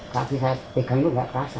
kaki saya pegang tuh nggak terasa